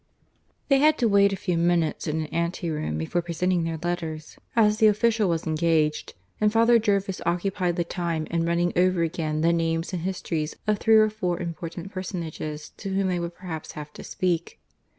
(II) They had to wait a few minutes in an ante room before presenting their letters, as the official was engaged, and Father Jervis occupied the time in running over again the names and histories of three or four important personages to whom they would perhaps have to speak.